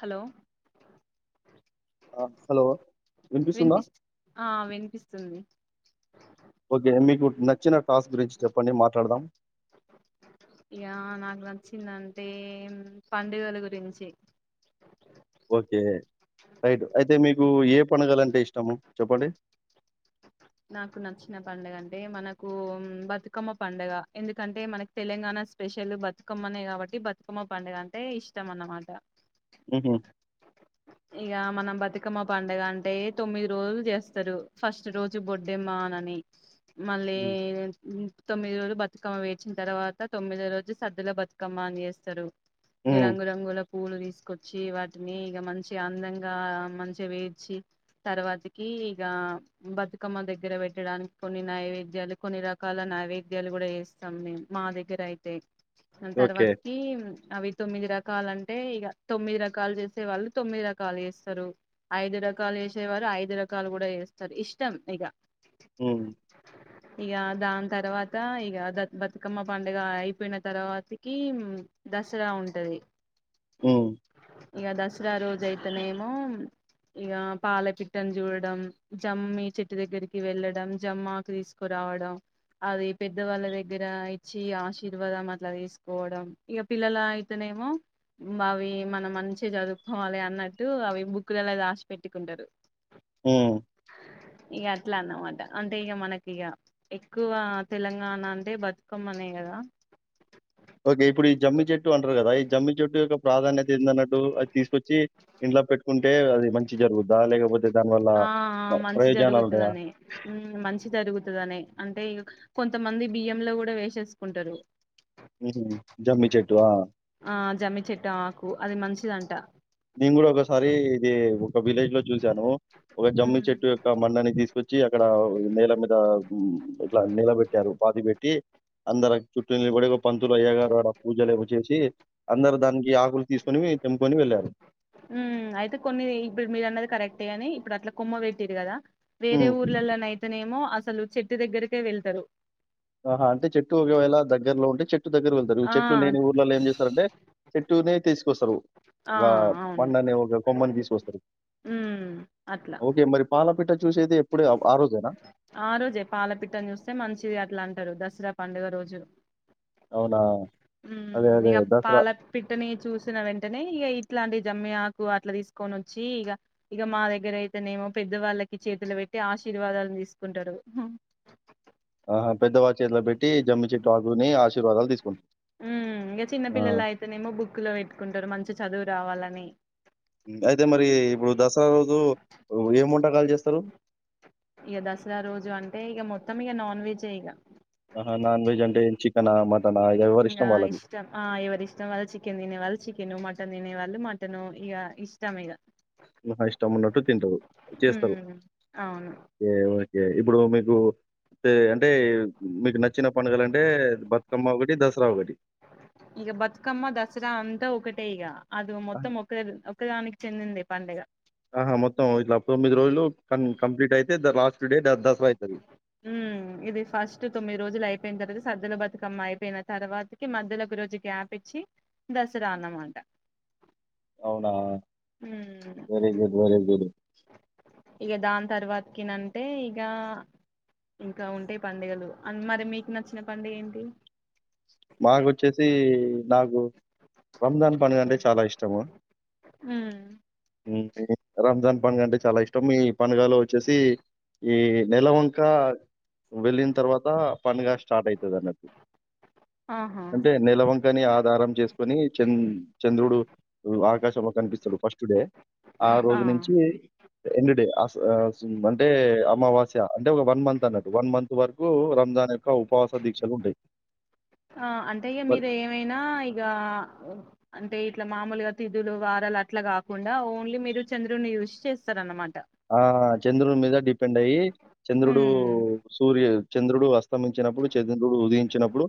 Hello. ఆ hello. వినిపిస్తుందా వినిపిస్ ఆ వినిపిస్తుంది ఓకే మీకు నచ్చిన టాస్క్ గురించి చెప్పండి మాట్లాడదాం. ఇగ నాకు నచ్చిందంటే పండుగల గురించి. ఓకే రైట్ అయితే మీకు ఏ పండగలంటే ఇష్టము చెప్పండి. నాకు నచ్చిన పండుగ అంటే మనకూ బతుకమ్మ పండుగా ఎందుకంటే మనక్ తెలంగాణ స్పెషల్ బతుకమ్మనే కాబట్టి బతుకమ్మ పండుగ అంటే ఇష్టం అన్నమాట. హు హ్మ్. ఇగ మనం బతుకమ్మ పండుగ అంటే తొమ్మిది రోజులు చేస్తరు ఫస్ట్ రోజు బొడ్డెమ్మన్ అని మళ్ళీ తొమ్మిది రోజులు బతుకమ్మ వేచిన తర్వాత తొమ్మిదో రోజు సద్దుల బతుకమ్మ అని చేస్తరు ఇగ ఉమ్ రంగురంగుల పూలు తీసుకొచ్చి వాటిని ఇక మంచి అందంగా మంచిగా వేడ్చి తర్వాతికి ఇక బతుకమ్మ దగ్గర పెట్టడానికి కొన్ని నైవేద్యాలు కొన్ని రకాల నైవేద్యాలు కూడా జెస్తాం మేము మా దగ్గర అయితే అ ఓకే తర్వాతకి అవి తొమ్మిది రకాలం అంటే ఇగ తొమ్మిది రకాలు చేసే వాళ్ళు తొమ్మిది రకాలు జెస్తరు ఐదు రకాలు వేసేవారు ఐదు రకాలు కూడా చేస్తారు ఇష్టం ఇగ ఉమ్ ఇగ దాని తర్వాత ఇగ బతుకమ్మ పండుగ అయిపోయిన తర్వాతకి దసర ఉంటది హమ్ ఇగ దస్ దుసర రోజు అయితేనేమో ఇక పాలపిట్టను చూడడం జమ్ చెట్టు దగ్గరికి వెళ్ళడం జమ్మకు తీసుకురావడం అది పెద్దవాళ్ళ దగ్గర ఇచ్చి ఆశీర్వాదం అట్ల తీసుకోవడం ఇక పిల్లల అయితేనేమో అవి మన మంచిగ చదువు హోలే అన్నట్టు అవి బుక్కులలో రాసి పెట్టుకుంటరు హమ్ ఇగ అట్ల అన్నమాట అంటే ఇగ మనకి ఇగ ఎక్కువ తెలంగాణ అంటే బతుకమ్మనే కదా ఒకే ఇప్పుడు ఈ జమ్మి చెట్ ట్టు అంటారు కదా ఈ జమ్మి చుట్టు యొక్క ప్రాధాన్యత ఏందన్నట్టు అది తీసుకొచ్చి ఇంట్లో పెట్టుకుంటే అది మంచి జరుగుద్దా లేకపోతే దాని వల్ల ఆ మంచి ప్రయోజనాల్ జరుగుతదని మ్మ్ మంచి జరుగుతదని అంటే కొంతమంది బియ్యం లో కూడా వేసేసుకుంటరు ఉమ్మ్ జమ్మీ చెట్టు ఆ ఆ జమ్మి చెట్టు ఆకు అది మంచిదంట నేను కూడ ఒకసారి ఇది ఒక విలేజ్ లో చూసాను ఒక జమ్మి మ్మ్ చెట్టు యొక్క మండనీ తీస్ వచ్చి అక్కడ నేల మీద ఇట్ల నీలబట్టారు పాతి పెట్టి అందర చుట్టూ నిలబడి పంతులు అయ్యాగారుడ పూజలేవో చేసి అందరు దానికి ఆకులు తీసుకుని తెంకోని వెళ్ళారు హమ్ అయితే కొన్ని ఇప్పుడు మీరు అన్నది కరెక్టే గాని ఇప్పుడు అట్ల కొమ్మ పెట్టిరు కదా వేరే హ్మ్. ఊర్లలలో నైతేనేమో ఆస్ అసలు చెట్టు దగ్గరికే వెళ్తరు ఆహా అంటే చెట్టు ఒకవేళ దగ్గరలో ఉంటే చెట్ చెట్టు దగ్గర వెళ్తారు ఆ చెట్లు లేనీ ఊర్లలో ఏం చేస్తారంటె టుదే తీసుకోస్తరు ఆ ఒక అవును బండని ఒక కొమ్మని తీసుకొస్తరు మ్మ్ అట్లా ఒకే మరి పాలపిట్ట చూసేది ఎప్పుడు? ఆ ఆ రోజేనా? ఆ రోజే పాలపిట్టన్ చూస్తే మంచిది అట్లాం తరు దసర పండుగ రోజు అవునా? అదే. హమ్ అదే. ఇగ దసరా పాలపిట్టని చూసిన వెంటనే ఇగ ఇట్లాంవి జమ్మి ఆక ఊ అట్లా తీసుకొని వచ్చి ఇక ఇక మా దగ్గర అయితేనేమో పెద్ద వాళ్ళకి చేతులు పెట్టీ టె ఆశీర్వాదాలను తీసుకుంటారు ఆహా పెద్ద వాళ్ చేతిలో పెట్ హమ్ ఇంక చిన్న ఆ! పిల్లలు అయితేనేమో బుక్కులో పెట్టుకుంటరు మంచి చదువు రావాలని హ్మ్. అయితే మరి ఇప్పుడు దసరా రోజు ఏం వంటకాల్ జెస్తరు ఇగ దసరా రోజు అంటే ఇగ మొత్తం ఇగ నాన్ వెజే ఇగ ఆహ నాన్ వెజ్ అంటే చికెనా మట్టన్ ఇంగ ఇష్టం ఆ ఎవరిష్టం వల్లది చికెన్ తినే వాల్ చికెను మటన్ న్ తినే వాళ్ళు మటను ఇగ ఇష్టం ఇగ ఇ హ్ నా ఇష్టం ఉన్నట్టు తింటారు చేస్తారు ఉమ్ అవును ఎఓయ్ ఎ ఇప్పుడు మీకు టే అంటే మీకు నచ్చిన ప్ పండుగలంటే బతకమ్మా ఉట్ దసరా ఒగటి ఇగ బతుకమ్మ దసరా అంతా ఒకటే ఇగ అదు ఆహా! మొత్తం ఒకె ఒకదానికి చెందిందె పండుగ తొమ్మిది రోజులు కమ్ కంప్లీట్ అయితే ద లాస్ట్ డే దసరా అయితది ఉమ్ ఇది ఫస్ట్ తొమ్మిది రోజులు అయిపోయిన తర్వాత సద్దుల బతుకమ్మ అయిపోయిన తర్వాతకి మధ్యలో ఒక రోజు గ్యాప్ ఇచ్చి దసరా అన్నమాట అవునా ఉమ్ వెరీ గుడ్ వెరీ గుడ్ ఇగ దాని తర్వాతకి నంటే ఇగ ఇంకా ఉంటాయి పండుగలు అన్ మరి మీకు నచ్చిన పండగెంటి మాకొచ్చేసి మాకు రంజాన్ పండగ అంటే చాలా ఇష్టము ఉమ్ ఉమ్ రంజాన్ పండుగ అంటే చాలా ఇష్టం ఈ పండుగలో వచ్చేసి ఈ నెలవంక వెళ్ళిన్ తర్వాత పండగ స్టార్ట్ అయితది అన్నట్టు ఆహా అంటే నేలవంకని ఆధారం చేసుకొని చెన్ చంద్రుడు ఆకాశంలో కనిపిస్తడు ఫస్ట్ డే ఆ రోజు నుంచి ఎండ్ డే ఆస్ స్ అంటే అమావాస్య అంటే ఒ వన్ మంత్ అన్నట్టు వన్ మంత్ వరకు రంజానే ఉప ఉపవాస దీక్షలు ఉంటాయి ఆ అంటె ఇగ మీరు ఏమైనా ఇగ అంటే ఇట్లా మామూలుగా తిథులు వారాలు అట్లా కాకుండా ఓన్లీ మీరు చంద్రుని చూసి చేస్తార్ అన్నమాట ఆహ చంద్రున్ మీదక్ డిపెండ్ అయ్యి చంద్రుడు ఉమ్ సూర్య చంద్రుడు అస్తమించినప్పుడు చంద్రుడు ఉదయించ్ వచ్చినప్పుడు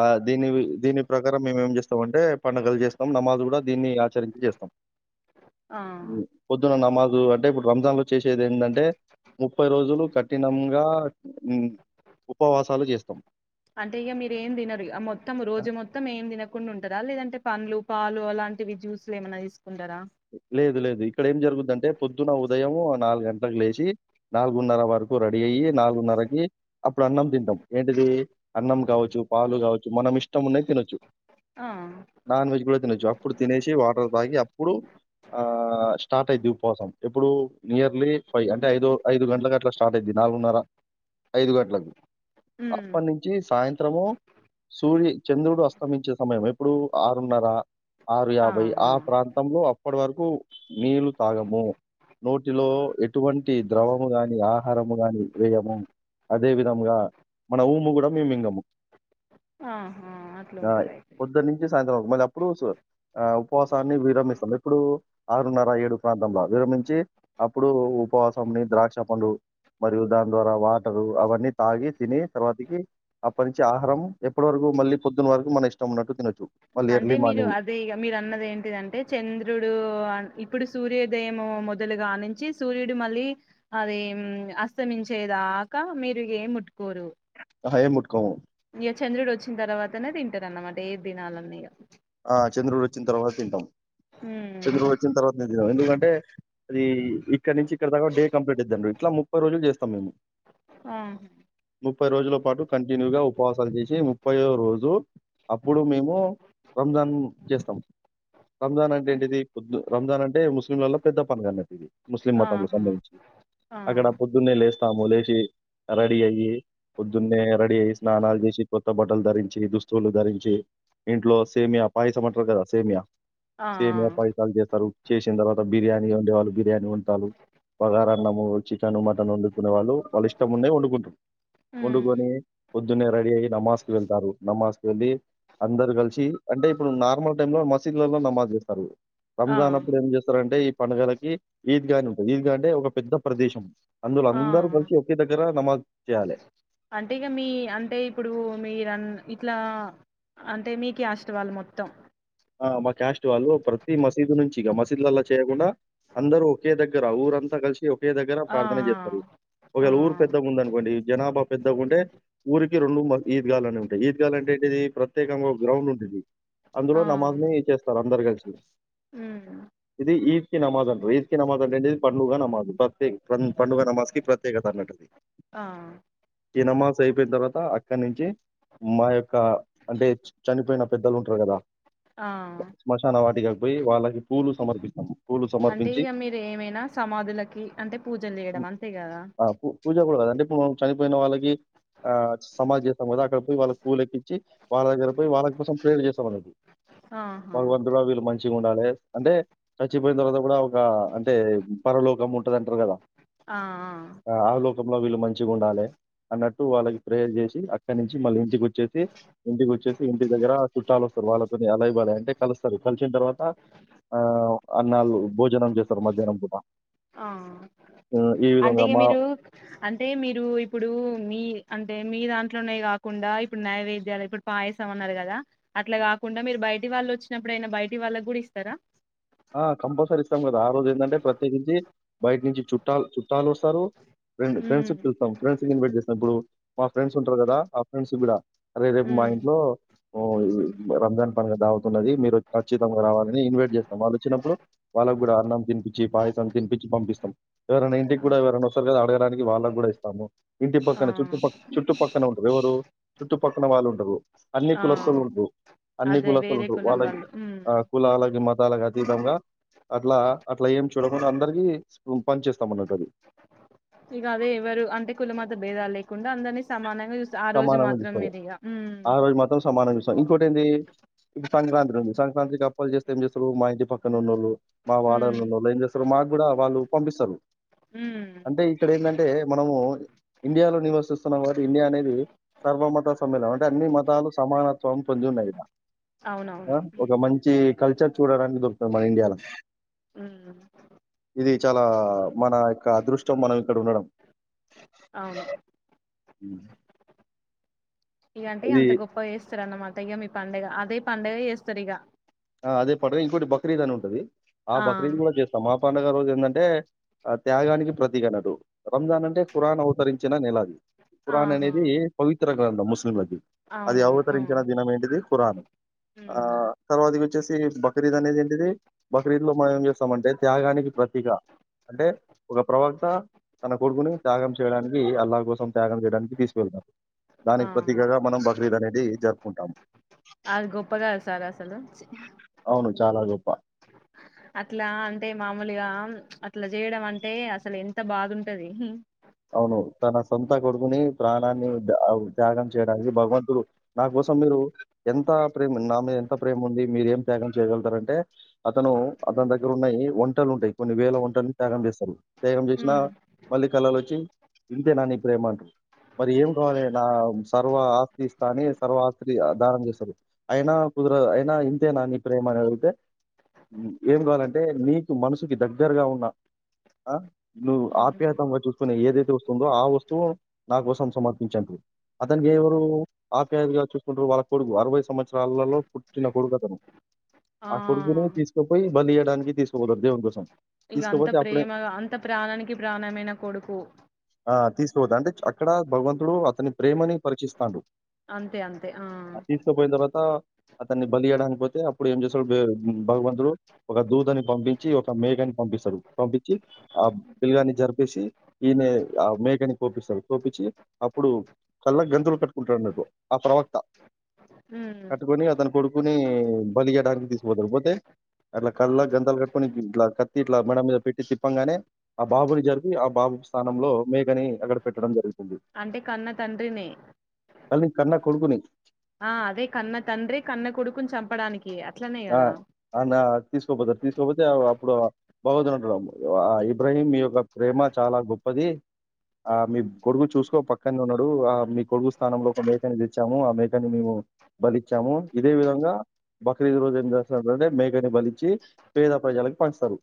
ఆ దీని దీని ప్రకారం మేమేం చేస్తాం అంటే పండుగలు చేస్తాం నమాజ్ కూడా దీన్ని ఆచరించి చేస్తం ఆ ఉ పొద్దున నమాజ్ ఉ అంటే ఇపుడు రంజాన్లు చేసేది ఏందంటే ముప్పై రోజులు కఠినంగా ఉ ఉపవాసాలు చేస్తాం అంటే ఇగ మీరు ఏం తినరిగ మొత్తం ఆ, రోజు మొత్తం ఏం తినకుండా ఉంటారా లేదంటే పండ్లు పాలు అలాంటివి జ్యూసులు ఏమన్నా తిస్ లేదు లేదు ఇక్కడ ఏం జరుగుద్దంటే పొద్ న్న ఉదయం నాలుగు గంట్లకు లేసి నాలుగున్నర వరకు రెడీ అయ్యి నాలుగున్నరకి అప్పుడు అన్నం తింటాం ఏంటిది అన్నం కావచ్చు పాలు కావచ్చు మనం ఇష్టం ఉన్నాయి తినొచ్చు ఆ నాన్ వెజ్ కూడా తినొచ్చు అప్పుడు తినేసి వాటర్ తాగి అప్పుడు ఆ స్టార్ట్ అయిది ఉ కోసం ఎప్పుడు నియర్లీ ఫైవ్ అంటే ఐదో ఐదు గంటలలకు అట్లా స్టార్ట్ అయింది నాలుగున్నర ఐదు గంటలకు ఉమ్ అప్పటి నుంచి సాయంత్రము సూర్య చంద్రుడు అస్తమించే సమయం ఎప్పుడు ఆరున్నర ఆరు యాభై ఆ ప్రాంతంలో మకు నీళ్లు తాగము నోటిలో ఎటువంటి ద్రవము గాని ఆహారము గాని వేయము అదే విధముంగా మన ఊము కూడా మింగము ఆహా అట్లు ఆ! ఉంటరయితే పొద్దున్న నుంచి సాయంత్రం వరకు. మళ్ళీ అప్పుడు ఆ ఉపవాసాన్ని విరమిస్తంది ఎప్పుడు ఆరున్నార ఏడు ప్రాంతంలో విర నుించి అప్పుడు ఉపవాసంని ద్రాక్ష పండు మరియు దాని ద్వారా వాటరు అవన్నీ తాగి తిని తర్వాతికి అప్పటి నుంచి ఆహారం ఎప్పటి వరకు మళ్ళీ పొద్దున్న వరకు మన ఇష్టం ఉన్నట్టు తినొచ్చు మళ్ళీ అంటే ఎర్లీ మీరు మార్నింగ్ అదే ఇ మీరు అన్నది ఏంటిదంటే చెంద్ ద్రుడు ఇప్పుడు సూర్యోదయం మొదలుగానించి సూర్యుడు మళ్ళీ అది అస్తమించేదాక మీరు ఏముట్కోరు అయే ముట్కోము ఇక చంద్రుడు వచ్చిన తర్వాతనే తింటారు అన్నమాట ఏదినాలన్నా ఇగ ఆ చంద్రుడు వచ్చిన తర్వాత తింటాం చంద్రుడు ఉమ్ వచ్చిన తర్వాతే తింటాం ఎందుకంటే అంటే అది ఇక్కడ నుంచి ఇక్కడ దాకా డే కంప్లీట్ ఇద్దండ ఇట్లా ముప్పై రోజులు చేస్తాం మేము ఆ ముప్పై రోజుల పాటు కంటిన్యూగా ఉపవాసాలు చేసి ముప్పై రోజు అప్పుడు మేము ఓ రంజాన్ చేస్తాం రంజాన్ అంటే ఏంటిది కొద్ రంజాన్ అంటే ముస్లింలలా పెద్ద పండగన్నట్లిది ముస్లిం మతలకు ఆహా సంబంధించి ఆ అక్కడ పొద్దున్నే లేస్తాము లేచి రెడీ అయ్యి పొద్దున్నే రెడీ అయ్యి స్నానాలు చేసి కొత్త బట్ట టలు ధరించి దుస్తులు ధరించి ఇంట్లో సేమియా పాయసమంటారు కదా సేమయా ఆ ఆ సేమియా పాయసాలు చేస్తారు చేసిన తర్వాత బిర్యానీ వండేవాళ్ళు బిర్యానీ వంటారు బగార అన్నము చికెన్ మటన్ వండుకునే వాళ్ళు వాళ్ళు ఇష్టమున్నఎయిర్ వండుకుంటారు ఉమ్ వండుకని పొద్దున్నే రెడి అయి నమాజ్ కు వెళ్తారు నమాజ్ వెళ్ళి అందరు కలిసి అంటే ఇప్పుడు నార్మల్ టైమ్ లో మస్ చిర్లలో నమాజ్ చేస్తారు ఆ రంజాన్ అప్పుడు ఏం చేస్తారంటే పండగలకి ఈద్ గాని ఉంటుంది ఈద్ గా అంటే ఒక పెద్ద ప్రదేశం అందులో ఆ అందరు కలిసి ఒకే దగ్గర నమాజ్ చేయాలె. అంటే ఇక మీ అంటే ఇప్పుడు మీరన్ ఇప్ ఇట్లా అంటే మీ క్యాస్ట్ వాళ్ళు మొత్తం ఆ మా క్యాస్ట్ వాళ్ళు ప్రతి మసీదు నుంచి ఇగ మసీదులల్ల చేయకుండా అందరూ ఒకే దగ్గర ఊరంతా కలిసి ఓ ఒకే దగ్గర ఆ ప్రార్థన చేస్తారు ఆ ఒకవేళ ఊరు పెద్దగుందనుకోండి జనాభా పెద్దగా ఉంటే ఊరికి రెండు మ ఈద్గా అనే ఉంటాయి ఈద్గాలు అంటే ఏంటిది ప్రత్యేకంగా ఒక గ్రౌండ్ ఉండిద్ది ఆ నమాజ్ ని చేస్తారు అందరు కలిసి ఉమ్ ఇది ఈద్ కి నమాజ్ అంటారు ఈద్ కి నమాజ్ అంటే ఏంటిది పండుగా నమాజ్ బట్ టిఫన్ పండుగ నమాజ్ కి ప్రత్యేకత అన్నట్టు ఆది ఆ ఈ నమాజ అయిపోయిన తర్వాత అక్కడి నుంచి మా యొక్క అంటే చనిపోయిన పెద్దలు ఉంటారు కదా ఆ స్మశాన వాటిక పోయి వాళ్లకి పూలు సమర్పిస్తాం పూలు అంటే సమర్పించి ఇక మీరు ఏమైనా సమాధులకి అంటే పూజలు చేయడం అంతే కదా పూ పూజ కూడా కాదు ఇప్పుడు మనం చనిపోయిన వాళ్ళకి ఆ సమాధి చేస్తాం కదా అక్కడ పోయి వాళ్ళకి పూలు ఎక్కించి వాళ్ళ దగ్గర పోయి వాళ్ళ కోసం ప్లేయర్ చేస్తాం అన్నట్టు ఆహా భగవంతుడా వీళ్ళు మంచిగా ఉండాలే అంటే చచ్చిపోయిన తర్వాత కూడా ఒక అంటే పరలోకం ఉంటదని కదా ఆ ఆ ఆ లోకంలో వీళ్ళు మంచి మంచి గుండాలే అన్నట్టు వాళ్ళకి ప్రేయర్ చేసి అక్క నుంచి మళ్ళీ ఇంటికి వచ్చేసి ఇంటికి వచ్చేసి ఇంటి దగ్గర చుట్టాలు వస్తారు వాళ్ళ కొన్ని అలైబాలు అంటే కలుస్తారు కలిసిన తర్వాత ఆ అన్నాళ్ళు భోజనం చేస్తారు మధ్యాహ్నం పూట ఆ హ్మ్. ఈ విధంగా అంతేగా మా మీరు అంటే మీరు ఇప్పుడు మీ అంట్ అంటే మీ దాంట్లోనే కాకుండా ఇప్పుడు నైవేద్యాల ఇప్పుడు పాయసం అన్నారు కదా అట్లా కాకుండా మీరు బయటి వాళ్ళు వచ్చినప్పుడయినా బయటి వాళ్ళకి కూడా ఇస్తారా! గించి బయట నుంచి చుట్టాలు చుట్టాలు వస్తారు ఫ్రెండ్ ఫెండ్స్ ఉమ్ ని పిలుస్తాం ఫ్రెండ్స్ నీ ఇన్వైట్ చేసినప్పుడు మా ఫ్రెండ్స్ ఉంటారు కదా ఆ ఫ్రెండ్స్ కూడా అదే రేపు మా ఉమ్ ఇంట్లో ఓ ఈ రంజాన్ పండుగ దావత్ ఉన్నది మీరు ఖచ్చితంగా రావాలని ఇన్వైట్ చేస్తారు. వాళ్ళు వచ్చినప్పుడు వాళ్ళకు కూడా అన్నం తినిపించి పాయసాన్ని తినిపించి పంపిస్తాం. ఎవరైనా ఇంటికి కూడా ఆ ఎవరైనా వస్తారు కదా అడగడానికి వాళ్ళకి కూడా ఇస్తాము. ఇంటి పక్కన చుట్టుపక్క చుట్టుపక్క పక్క వారు ఎవరు చుట్టుపక్కన వాళ్ళు ఉంటారు. అన్ని ఆ కులస్తులు ఉండరు అన్ని అదే కులస్తులు వేరే ఉండరు కులం వాళ్ళకి వాళ్ళు ఉమ్ ఆ కులాలకి మతాలకి వాళ్ళకి అతీతంగా అట్లా అట్లా ఏం చూడకుండా అందరికి పనిచేస్తాం అన్నట్టు అది ఇగా అదే ఎవరు అంటే కుల మత భేదాలు లే కుండా అందరిని సమానం సమానంగా చూసుకోవాలి ఆ రోజు మాత్రం సమానంగా చూస్తాం ఇంకోటి ఏంటి ఇప్పుడు సంక్రాంతి ఉంది సంక్రాంతికి అప్పలు చేస్తే ఏం చేస్తారు మా ఇంటి పక్కన ఉన్నో ళ్ళు మా వాడాల ఉమ్ ఉండళ్ళు ఏం చేస్తారు మాకు కూడా వాళ్ళు పంపిస్తారు ఉమ్ అంటే ఇక్కడ ఏంటంటే మనము ఇండియాలో నివాసిస్తున్న వారు ఇండియా అనేది సర్వ మత సమ్మేళనం అంటే అన్ని మతాలు సమానత్వం పొంది ఉన్నాయి ఈడ అవునవును ఆ ఒక మంచి కల్చర్ చూడడానికి దొరుకుతది మన ఇండియాల ఊ చాలా మన యొక్క అదృష్టం మనం ఇక్కడ ఉండడం అవును ఉ ఇండియాని అంత గొప్ప చేస్తారు అన్నమా తేగా మీ పండగ అదే పండగ చేస్తరిగా ఆ అదే పండగ ఇంకోటి బక్రీద్ అని ఉంటది ఆ బక్రీద్ కూడా చేస్తాం మా పండుగ రోజు ఏందంటే ఆ త్యాగానికి ప్రతీక అనట్టు రంజాన్ అంటే ఖరాన్ అవతరించిన నెల అది కురాన్ ఆహా అనేది పవిత్ర అంటరంట ముస్లింలకి అది అవునవును అవతరించిన ఆ దినం ఏంటిది ఖురాన్ ఆ ఉమ్ తర్వాత బక్రీద్ అనేది ఏంటిది బక్రీద్ లో మనం ఏం చేస్తామంటే త్యాగానికి ప్రతీక అంటే ఒక ప్రవక్త తన కొడుకుని త్యాగం చేయడానికి అల్లా కోసం త్యాగం చేయడానికి తీసుకువేళ్తం ఆ దానికి ప్రతీకగా మనం బక్రీద్ అనేది జరుపుకుంటాము అది గొప్ప కాదు సార్ అసలు అవును చాలా గొప్ప అట్లా అంటే మామూలుగా అట్లా చేయడం అంటే అసలు ఎంత బాదుంటది అవును తన సొంత కొడుకుని ప్రాణాన్ని త్యాగం చేయడానికి భగవంతుడు నా కోసం మీరు ఎంత ప్రేమ నా మీద ఎంత ప్రేమ ఉంది మీరేం త్యాగం చేయగలుగుతారంటే అతను అతని దగ్గర ఉన్నయి ఒంటెలు ఉంటాయి కొన్ని వేల ఒంటెల్ని త్యాగం చేస్తారు తేగం చేసినా ఉమ్ మళ్ళీ కళలో వ చ్చి ఇంతేనా నీ ప్రేమ మరి ఏం కావాలే నా సర్వ ఆస్తి ఇస్తా అని సర్వ ఆస్తి దానం చేస్తారు అయినా కుదరదు అయినా ఇంతేనా నీ ప్రేమ అని అడుగుతే ఏం కావాలంటే నీకు మనసుకి దగ్గరగా ఉన్నా ను ఉమ్ ఆప్యాయతంగా చూ ఏదైతే వస్తుందో ఆ వస్తువు నా కోసం సమర్పించు అంటడు అతనికి ఎవరు ఆప్యాయంగా చూసుకుంటురు వాళ్ళ కొడుకు అరవై సంవత్సరాలలో పుట్టిన కొడుకు అతను ఆ కొడుకును తీస్ పోయి బలి ఇయ్యడానికి తీసుకుపోతాడు దేవుని కోసం ఇగ అంత తీసుకుపోతే అప్పుడే ప్రేమ అంత ప్రాణానికి ప్రాణమైన కొడుకు ఆ తీసుకోవదు అంటే అక్కడ భగవంతుడు అతని ప్రేమని పరీక్షిస్తాండు అంతే అంతే ఆ తర్వాత అతన్ని బలియడానికి పోతే అప్పుడు ఏం చేస్తాడు భగవంతుడు ఒక దూతని పంపించి ఒక మేకని పంపిస్తాడు పంపించి ఆ పిల్గాన్ని జరిపేసి ఈయనే ఆ మేకని కోపిస్తాడు కోపించి అప్పుడు కళ్ళ గంతులు కట్టుకుంటాడు అన్నటు ఆ ప్రవక్త ఉమ్ కట్టుకొని అతను కొడుకుని బలి ఇయడానికి తీసుపోతాడు పోతే అట్లా కళ్ళ గంతలు కట్టుకొని ఇట్లా కత్తి ఇట్లా మెడ మీద పెట్టి తిప్పంగానే ఆ బాబుని జరిపి బాబు స్థానంలో మేకని అక్కడ పెట్టడం జరిగింది అంటే కన్న తండ్రినే అల్ని కన్నా కొడుకుని ఆ అదే కన్న తండ్రి కన్న కొడుకుని చంపడానికి అట్లనే ఆ! కదా ఆ! నా తీసుకోపోతారు తీసుకోపోతే అప్పుడు బాగోద్ని అంటడు ఆ ఇబ్రాహీం మీ యొక్క ప్రేమ చాలా గొప్పది ఆ మీ కొడుకు చూస్కో పక్కనే ఉన్నాడు ఆ మీ కొడుగు స్థానంలో ఒక మేకని తెచ్చాము ఆ మేకని మేము బలిచ్చాము ఇదే విధంగా ఖరీదు రోజు ఏం చేస్తున్నారుంటే మేకని బలించి పేద ప్రజలకు పంచస్తారు